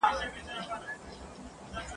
ملا دا نه ویل چي زموږ خو بې روژې روژه ده !.